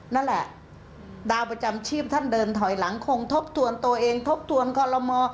นั่นแหละดาวประจำชีพท่านเดินถอยหลังคงทบทวนตัวเองทบทวนคอลโลมอ